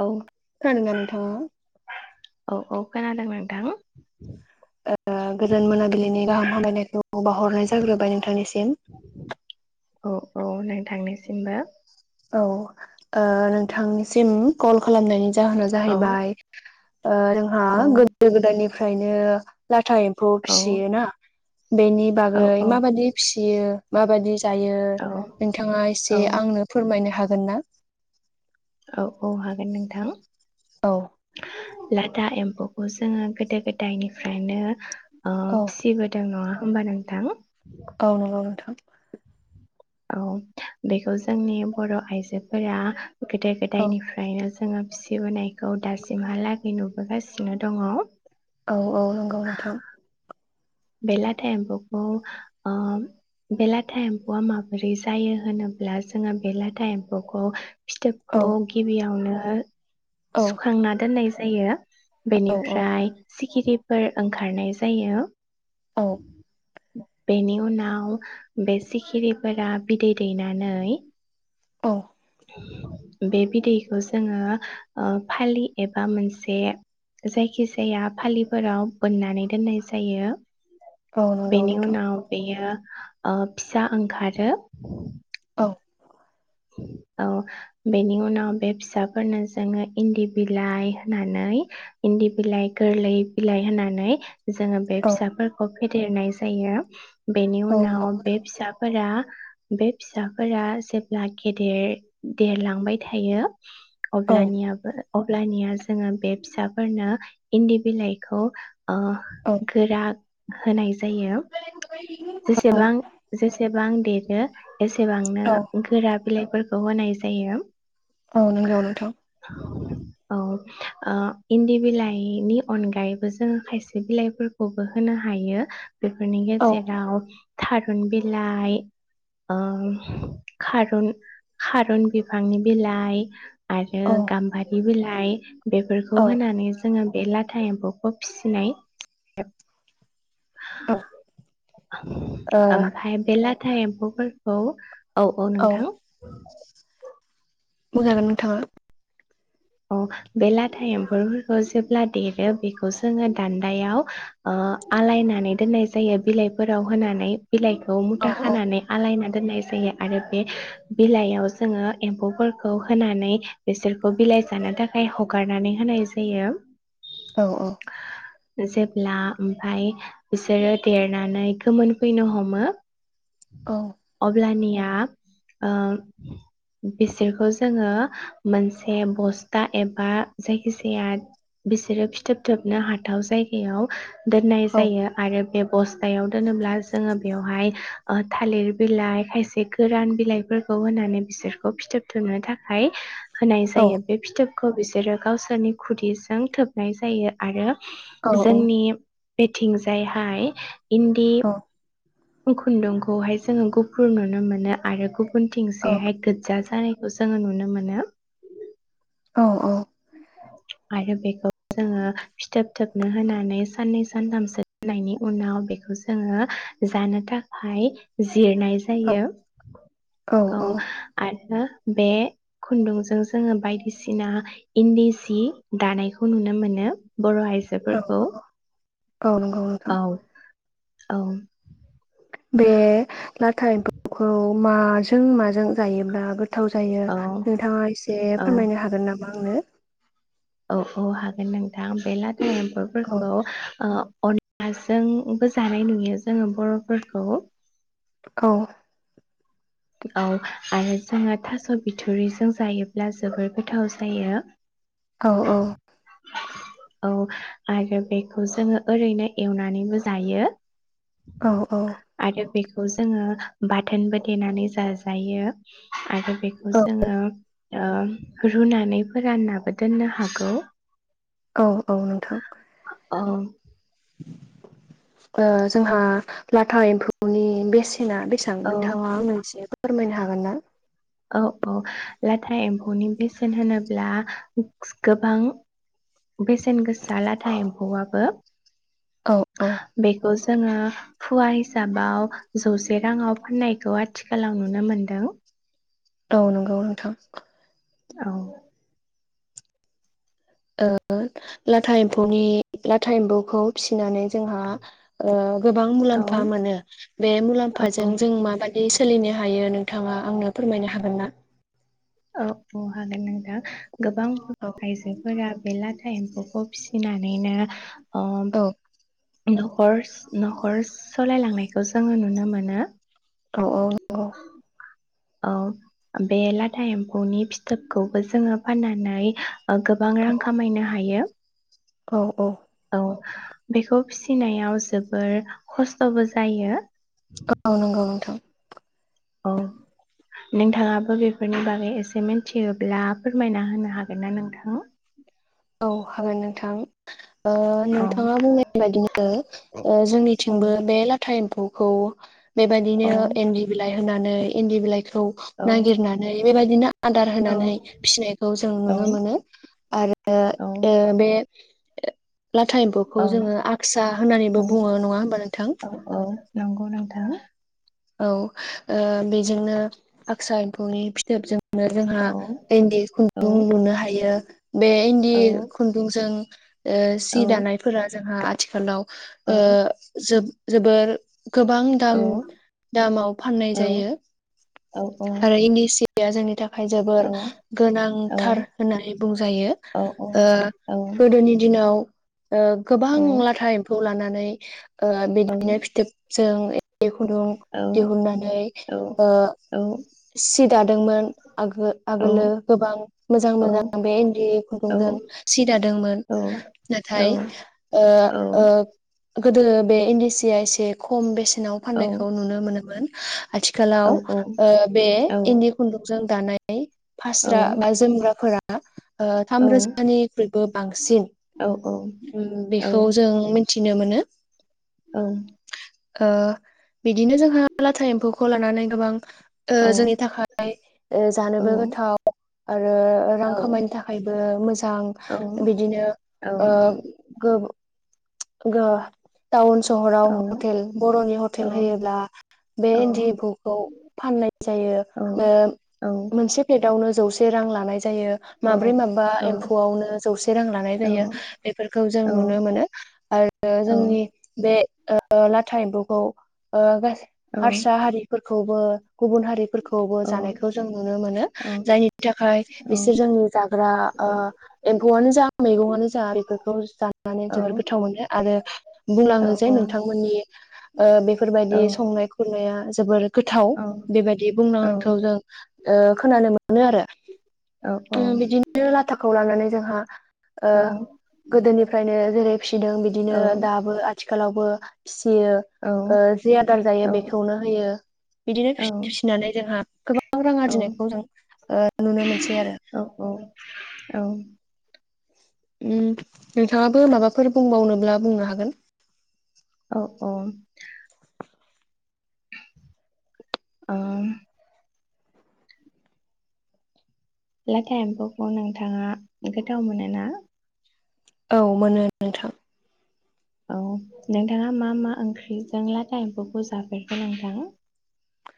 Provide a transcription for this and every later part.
औ खोनादोंना नोंथाङा। औ औ खोनादों नोंथां। गोजोन मोनाबिलिनि गाहाम हामायनायखौ बावहरनाय जाग्रोबाय नोंथांनिसिम। औ औ नों थांनिसिमबो औ नोंथांनिसिम कल खालामनायनि जाहोना औ जाहैबाय जोंहा औ गोदो -गोदायनिफ्राय ओमफ्रायनो लाथा एम्फौ औ फिसियो ना बेनि औ बागै औ माबादि फिसियो। माबायदि जायो औ नोंथाङा एसे औ आंनो फोरमायनो हागोन ना। औ -औ हागोन नोंथां औ लाथा एम्फौखौ जोङो गोदो- गोदायनिफ्रायनो अ औ फिसिबोदों नङा होनबा नोंथां औ नंगौ नोथां औ बेखौ जोंनि बर' आइजोफोरा गोदो- औ गोदायनिफ्रायनो जों जोङो फिसिबोनायखौ दासिमहालागै नुबोगासिनो दङ। औ - औ नंगौ नोंथां बेलाथा एम्फौखौ बेलाथा एम्फौआ माबोरै जायो होनोब्ला जोङो बेलाथा एम्फौखौ औ फिथोबखौ गिबियावनो ओ औ सुखांना दोननाय जायो औ बेनिफ्राय खिरिफोर ओंखारनाय जायो औ [inaudible] बेनि उनाव बे सिखिरिफोरा बिदै दैनानै औ बे बिदैखौ जोङो फालि एबा मोनसे जायखि जाया फालिफोराव बोननानै दोननाय जायो। औ नंगौ नोंथां बेनियाव बेयो फिसा ओंखारो औ औ बेनि उनाव बे फिसाफोरनो जोङो इन्दि बिलाइ होनानै इन्दि बिलाइ गोरलै बिलाइ होनानै जोङो बे औ फिसाफोरखौ फेदेरनाय जायो बेनि औ नंगौ उनाव बे नोंथां फिसाफोरा बे फिसाफोरा जे ब्ला गेदेर देरलांबाय थायो औ अब्लानियाबो अब्लानिया जोङो बे फिसाफोरनो इन्दि बिलाइखौ ओ औ गोरा होनाय जायो जेसेबां जेसेबां देरो एसेबांनो औ गोरा बिलाइफोरखौ होनाय जायो औ नोंगौ नोंथां औ ओ इन्दि बिलाइनि अनगायैबो जोङो खायसे बिलाइफोरखौबो होनो हायो बेफोरनि औ जेदाव थारुन बिलाइ ओ खारुन खारुन बिफांनि बिलाइ आरो औ गाम्बारि बिलाइ बेफोरखौ औ होनानै जोङो बे लाथा एम्बौखौ फिसिनाय [unintelligible] औ ओ आमफाय बेे लाथा एम्फौफोरखौ औ औ नोंथां बुंजागोन नोंथाङा अ बे लाथा एम्फौफोरखौ जेब्ला देरो बेखौ जोङो दान्दायाव ओ आलायनानै दोननाय जायो बिलाइफोराव होनानै बिलाइखौ औ मुथा औ खानानै आलायनानै दोननाय जायो आरो बे बिलाइयाव जोङो एम्फौफोरखौ होनानै बिसोरखौ बिलाइ जानो थाखाय हगारनानै होनाय जायो। औ औ जेब्ला ओमफाय बिसोरो देरनानै गोमोनफैनो हमो औ अब्लानि या ओ बिसोरखौ जोङो मोनसे बस्था एबा जायखिजाया बिसोरो फिथोब थोबनो हाथाव जायगायाव दोननाय औ जायो आरो बे बस्थायाव दोनोब्ला जोङो बेयावहाय ओ थालिर बिलाइ खायसे गोरान बिलाइफोरखौ होनानै बिसोरखौ फिथोब थोबनो थाखाय होनाय औ जायो बे फिथोब खौ बिसोरो गावसोरनि खुदिजों थोबनाय जायो आरो औ जोंनि बेथिंजायहाय इन्दि औ खुन्दुंखौहाय जोङो गुफुर नुनो मोनो आरो गुबुनथिंसेहाय गोज्जा जानाय जोङो नुनो मोनो। औ औ आरो बेखौ जोङो फिथोब थोबनो होनानै साननै सानथामसो होनायनि उनाव बेखौ जोङो जानो थाखाय जिरनाय जायो औ आर रो बे खुन्दुंजों जोङो बायदिसिना इन्दि सि दानायखौ नुनो मोनो। बर' आइजोफोरखौ औ नंगौ नोंथां औ औ बे लाथा एम्फौखौ माजों माज जों जायोब्ला गोथाव जायो औ नोंथाङा एसे औ फोरमायनो हागोन नामा आंनो औ औ हागोन नोंथां बे ला था औ एम्फौफोरखौ ओ अनलाजोंबो जानाय नुयो जोङो बर'फोरखौ औ औ आरो जोङो थास' बिथरिजों जायोब्ला जोबोर गोथाव जायो औ औ औ आरो बेखौ जोङो ओरैनो एवनानैबो जायो औ औ जो बाथोन बथेनानै जा जायो आरो बेखौ औ जोङो ओ रुनानैबोानाबो दोननो हागौ औ औ नोंथां औ ओ जोंहा लाथा एम्फौनि बेस ना बेसां औ नोंथाङा मोनसे फोरमायनो हागोन ना? औ औ लाथा एम्फौनि बेसेन होनोब्ला गोबां बेसेन गोसा लाथा एम्फौआबो औ औ बेखौ जोङो फुवा हिसाबाव जौसे राङाव फाननायखौ आथिखालाव नुनो मोनदों औ नंगौ नोंथां औ ओ लाथा एमफौनि लाथा एम्फौखौ फिसिनानै। जोंहा ओ गोबां औ मुलाम्फा मोनो बे मुलामों औ जों माबादि- सोलिनो हायो नोंथाङा आंनो फोरमायनो हागोन ना? औ औ हागोन नोंथां। गोबां औ आइजोफोरा। मेनला टाएम एम्फौ फिसिनानैनो अम औ न'खर न'खर सलायलांनायखौ जोङो नुनो मोनो। औ औ औ औ बे लाथा एम्फौनि फिथोबखौबो जोङो फाननानै। गोबां रां औ खामायनो हायो। औ औ बेखौ फिसिनायाव जोबोर खस्थबो जायो। औ नंगौ नोंथां औ नोंथाङाबो बेफोरनि बागै एसे मिथियोब्ला फोरमायना होनो हागोन ना नोंथां? औ हागोन नोंथां। ओ औ नोंथाङा बुंनाय बादिनो ओ औ जोंनिथिंबो बे लाथा एम्फौ- खौ औ बेबायदिनो एनदि बिलाइ होनानै इन्दि बिलाइ- खौ‌ औ नागिरनानै बेबायदि आदार औ होनानै फिसिनायखौ जों औ नुनो मोनो आरो ओ ए बे [unintelligible] ब्लाथाय एम्फौ'खौ औ जोङो आक्सा होननानैबो औ बुङो नङा होमबा नोंथां। औ औ नंगौ नोंथां औ ओ बेजोंनो आक्सा एम्फौनि फिथोबजों- नों जोंहा औ इन्दि औ खुन्दुं लुनो हायो। बे इन्दि औ खुन्दुंजों ओ सि औ दानायफोरा जोंहा आथिखालाव ओ औ जोब- जोबोर गोबां औ दाम। दामाव फाननाय औ जायो औ औ आरो इन्दि सि या जोंनि था थाखाय औ जोबोर औ गोनांथार होननानै बुंजायो गोदोनि दिनाव गोबां औ लाथा एम्फौ लानानै नै बिदिनो फिथोब जों [unintelligible] दिहुननानै ओ फि सि दादोंमोन आगोलो गोबां मोजां मोजां बे इन्दि खुन्दुंजों सि दादोंमोन नाथाय ओ ओ गोदो बे इन्दि सिया एसे खम बेसे नाव फाननायखौ नुनो मोनोमोन। आथिखालाव औ बे औ इन्दि खुन्दुंजों दानाय औ फास्रा बा जोमग्राफोरा औ थाम‌ रोजानिख्रुइबो बांसिन औ उम बेखौ जों मिथिनो मोनो। ओ ओ बि बिदिनो जोंहा लाथा एम्फौखौ लानानै गोबां [inaudible] ओ औ जोंनि थाखाय जानोबो गोथाव आरो रां औ खामायनो थाखायबो मोजां बिदिनो ओ गो [unintelligible] टाउन सहराव हटेल बर'नि हटेल होयोब्ला बे इन्दि एम्फौखौ फाननाय जायो ओ मोनसे प्लेटावनो जौसे रां लानाय ज जायो माब्रै माबा एम्फौआवनो जौसे रां लानाय जायो बेफोरखौ जों नुनो मोनो। बेयो जोंनि बे ओ लाथा एम्फौ खौ ओ गास हारसा हारिफोरखौ बो गुबुन हारिफोरखौबो जानायखौ जों नुनो मोनो जायनि थाखाय बिसोर जोंनि जाग्रा एम्फौआनो जा मैगङानो जा बेफोरखौ जानानै जोबोर गो थाव मोनो आरो बुंलाङो जे नोंथांमोननि ओ बेफोरबायदि संनाय खुरनाया जोबोर गोथाव बेबायदि बुंनो आांखौ जों ओ खोनानो मोनो आरो। उम बिदिनो लाथा खौ लानानै जोंहा ओ गोदोनिफ्रायनो जेरै फिसिदों बिदिनो दाबो आथि आथिखालावबो सियो जि आदार जायो बेखौनो होयो बिदिनो फिसिनानै जोंहा गोबां रां आरजिनायखौ जों ओ नुनो मोनसै आरो। उम नोंथाङाबो माबाफोर बुंबावनोब्ला बुंनो हागोन। औ औ। ओ। लाथा एम्फौखौ नोंथाङा गोथाव मोनो ना? औ मोनो नोंथां। औ नोंथाङा मा मा ओंख्रि जों लाथा एमफौखौ जाफेरखो नोंथां?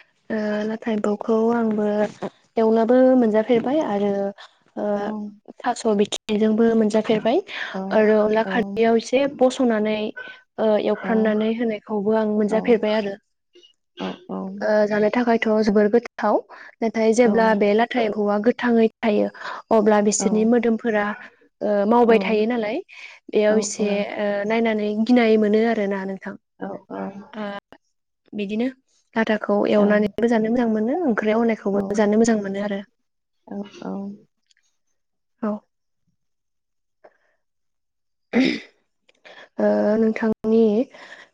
ओ नाथाय बखौ आंबो एवना बो मोनजाफेरबाय आरो ओ औ थास' बिथ बेजों। बो मोनाजाफेरबाय औ आरो अनला औ खारैआव एसे बसनानै ओ एवफ्रानानै होनायखौबो आं औ मोनजाफेरबाय आरो। औ जानो थाखायथ' जोबोर। गोथाव। नाथाय औ जेब्ला बे लाथा एफौआ गोथाङै। थायो। अब्ला औ बिसोरनि मोदोमफोरा औ मावबाय थायो नालाय औ बेयाव औ एसे नायनानै गिनाय मोनो आरोना नोंथां। औ बिदिनो। खुथाखौ औ एवनानैबो जानो मोजां मोनो। ओंख्रियाव होनायखौबो औ जानो मोजां मोनो आरो। औ। ओ नोंथांनि।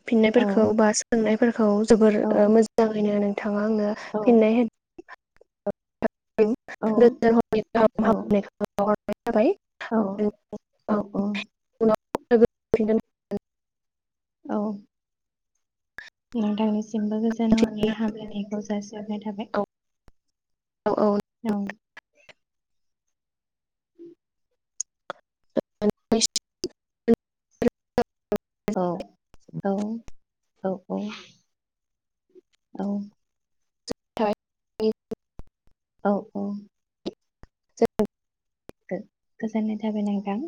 फिननायफोरखौ बा सोंनाय। खौ जोबोर मोजाङैनो नों। थाङा आंनो फिननाय होन [inaudible] थाबाय औ औ [unintelligible] [unintelligible] औ नोंथांनिसिमबो गोजोन औ हरनि हामलायनायखौ जासिहरनाय थाबाय औ औ औ [inaudible] नोंथांनि औ औ औ औ औ [unintelligible] औ औ [unintelligible] गोजोननाय थाबाय नोंथां